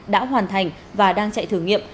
đã hoàn thành và đang chạy thử nghiệm